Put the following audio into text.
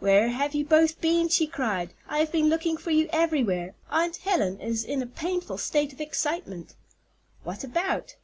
"Where have you both been?" she cried. "I have been looking for you everywhere. Aunt Helen is in a painful state of excitement." "What about?"